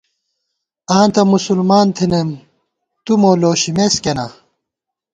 آں تہ مسلمان تھنَئیم تُو مو لوشِمېس کېنا